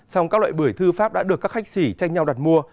song các loại bưởi thư pháp đã được các khách sỉ tranh nhau đặt mua